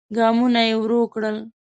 ګامونه يې ورو کړل.